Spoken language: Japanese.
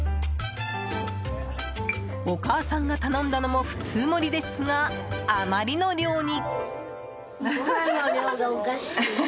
お母さんが頼んだのも普通盛りですが、あまりの量に。